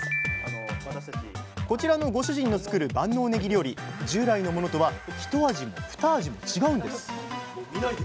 こちらのご主人の作る万能ねぎ料理従来のものとはひと味もふた味も違うんです